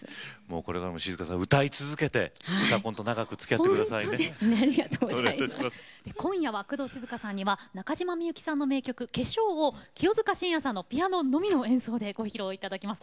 これからも歌い続けて「うたコン」と長くつきあってください今夜は工藤静香さんには中島みゆきさんの名曲「化粧」清塚信也さんのピアノの演奏のみでご披露いただきます。